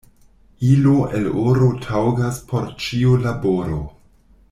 Ilo el oro taŭgas por ĉiu laboro.